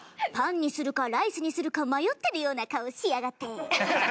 パンにするかライスにするか迷ってるような顔しやがって。